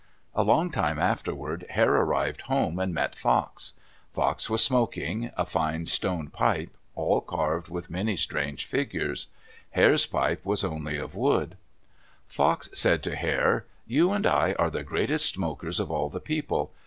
A long time afterward Hare arrived home and met Fox. Fox was smoking a fine stone pipe, all carved with many strange figures. Hare's pipe was only of wood. Fox said to Hare, "You and I are the greatest smokers of all the people.